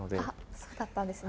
そうだったんですね。